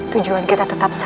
tujuan kita tetap berbeda